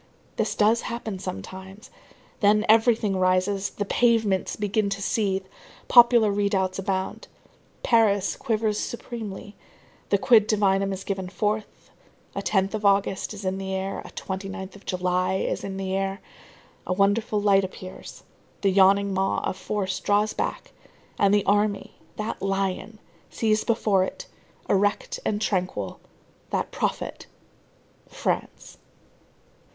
This does happen sometimes. Then everything rises, the pavements begin to seethe, popular redoubts abound. Paris quivers supremely, the quid divinum is given forth, a 10th of August is in the air, a 29th of July is in the air, a wonderful light appears, the yawning maw of force draws back, and the army, that lion, sees before it, erect and tranquil, that prophet, France.